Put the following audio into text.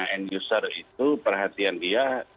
end user itu perhatian dia